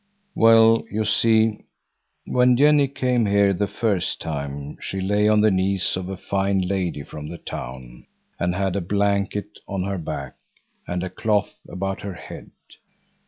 "Well, you see, when Jenny came here the first time she lay on the knees of a fine lady from the town, and had a blanket on her back and a cloth about her head.